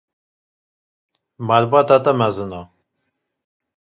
Malbata te mezin e?